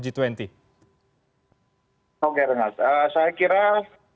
oke renard saya kira g dua puluh ini sangat penting untuk indonesia